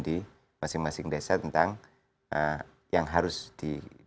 di masing masing desa tentang yang harus di